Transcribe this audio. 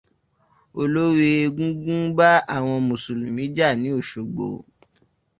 Olórí egúngún bá àwọn Mùsùlùmí jà ní Òṣogbo.